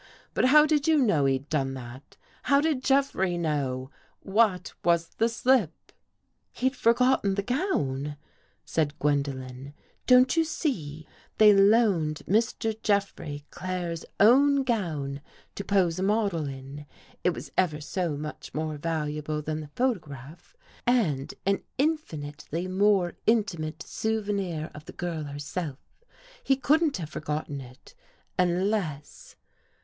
But how did you know he'd done that? How did Jeffrey know? What was the slip ?"" He'd forgotten the gown," said Gwendolen. " Don't you see? They loaned Mr. Jeffrey Claire's own gown to pose a model in. It was ever so much more valuable than the photograph, and an infin itely more intimate souvenir of the girl herself. He couldn't have forgotten it, unless